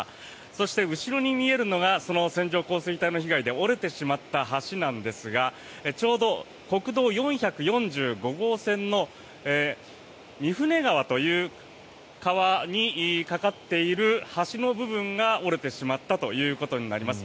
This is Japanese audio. そして後ろに見えるのがその線状降水帯の被害で折れてしまった橋なんですがちょうど国道４４５号線の御船川という川に架かっている橋の部分が折れてしまったということになります。